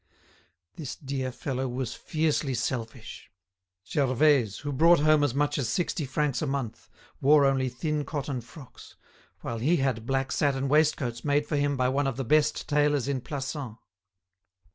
This dear fellow was fiercely selfish. Gervaise, who brought home as much as sixty francs a month, wore only thin cotton frocks, while he had black satin waistcoats made for him by one of the best tailors in Plassans.